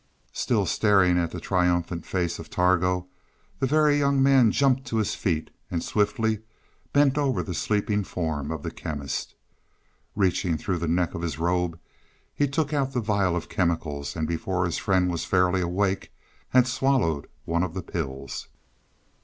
Still staring at the triumphant face of Targo, the Very Young Man jumped to his feet and swiftly bent over the sleeping form of the Chemist. Reaching through the neck of his robe he took out the vial of chemicals, and before his friend was fairly awake had swallowed one of the pills.